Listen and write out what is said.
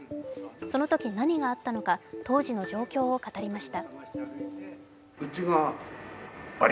そのとき何があったのか、当時の状況を語りました。